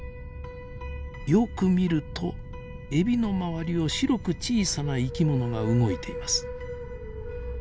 よく見るとエビの周りを白く小さな生き物が動いています。